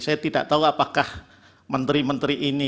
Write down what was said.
saya tidak tahu apakah menteri menteri ini